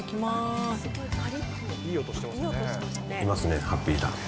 いますね、ハッピーターン。